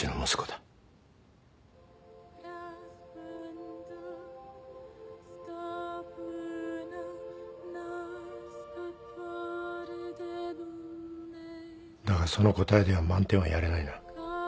だがその答えでは満点はやれないな。